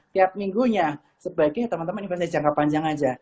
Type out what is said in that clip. tiap minggunya sebaiknya teman teman investasi jangka panjang aja